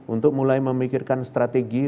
untuk mulai memikirkan strategi